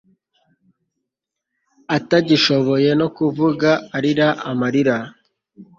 atagishoye no kuvuga arira amarira